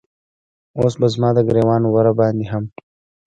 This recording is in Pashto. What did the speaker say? اوس به زما د ګریوان وره باندې هم